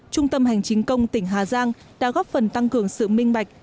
trung tâm hành chính công tỉnh hà giang đã góp phần tăng cường sự minh bạch